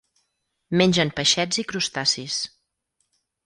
Mengen peixets i crustacis.